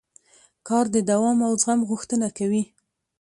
کار د دوام او زغم غوښتنه کوي